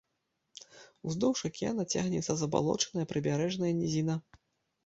Уздоўж акіяна цягнецца забалочаная прыбярэжная нізіна.